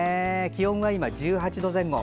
気温は今、１８度前後。